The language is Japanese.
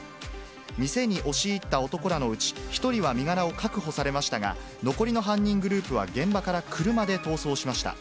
店に押し入った男らのうち、１人は身柄を確保されましたが、残りの犯人グループは現場から車で逃走しました。